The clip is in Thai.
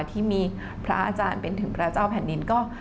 ที่มีพระอาจารย์เป็นถึงพระเจ้าแผ่นดินก็